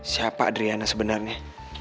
siapa adriana sebenarnya